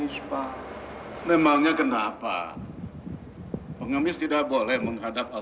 sampai jumpa di video selanjutnya